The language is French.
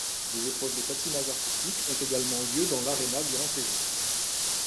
Les épreuves de patinage artistique ont également lieu dans l'aréna durant ces Jeux.